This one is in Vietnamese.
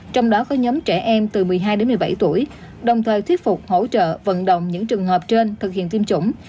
trong đó có nhóm trẻ em từ một mươi hai đến một mươi bảy tuổi đồng thời thuyết phục hỗ trợ vận động những trường hợp trên thực hiện tiêm chủng